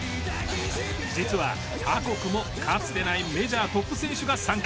実は他国もかつてないメジャートップ選手が参加。